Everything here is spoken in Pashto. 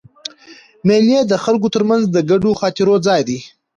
مېلې د خلکو تر منځ د ګډو خاطرو ځای دئ.